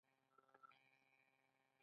خلکو دوی ته د غیب ګویانو په نظر کتل.